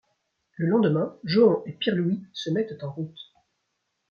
Le lendemain, Johan et Pirlouit se mettent en route.